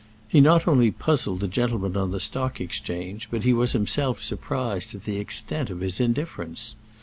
He not only puzzled the gentlemen on the stock exchange, but he was himself surprised at the extent of his indifference.